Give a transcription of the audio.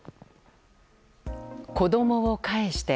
子供を返して。